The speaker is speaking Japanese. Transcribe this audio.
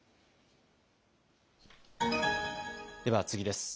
では次です。